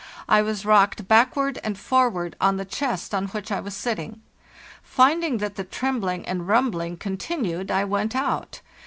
I was rocked backward and forward on the chest on which I was sitting. Finding that the trembling and rumbling continued, I went out.